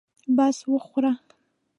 بس وخوره.